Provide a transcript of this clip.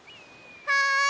はい！